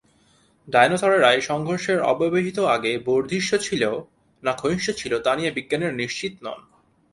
ডাইনোসরেরা এই সংঘর্ষের অব্যবহিত আগে বর্ধিষ্ণু ছিল না ক্ষয়িষ্ণু ছিল তা নিয়ে বিজ্ঞানীরা নিশ্চিত নন।